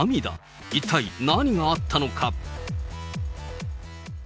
一体何があったのか。